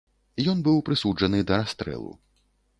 Ён быў прысуджаны да расстрэлу.